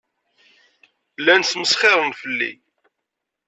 Llan smesxiren fell-i.